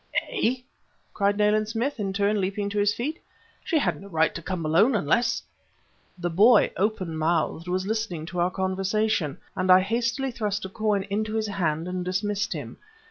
"Eh?" cried Nayland Smith, in turn leaping to his feet. "She had no right to come alone, unless " The boy, open mouthed, was listening to our conversation, and I hastily thrust a coin into his hand and dismissed him.